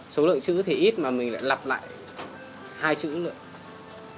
số lượng chữ thì ít mà mình lại lặp lại hai chữ nữa